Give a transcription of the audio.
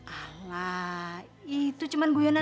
alah itu cuma gue yang nangis